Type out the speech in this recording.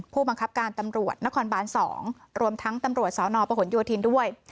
ผู้บังคับการตำรวจนครบานสองรวมทั้งตำรวจสาวนอปะขนยวทินด้วย